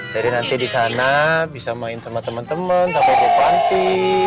jadi nanti di sana bisa main sama teman teman sama bu panti